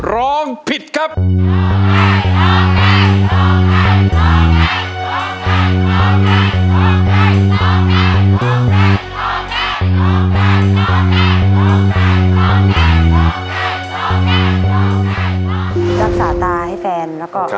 รักษาตาให้เฟน